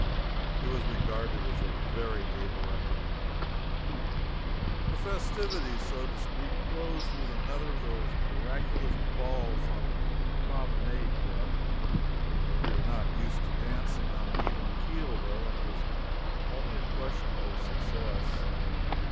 It was regarded as a very able effort. The festivities, so to speak, closed with another of those miraculous balls on the promenade deck. We were not used to dancing on an even keel, though, and it was only a questionable success.